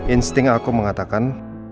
insting aku mengatakan